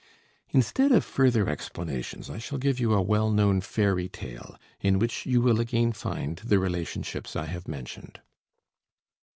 Instead of further explanations I shall give you a well known fairy tale, in which you will again find the relationships I have mentioned.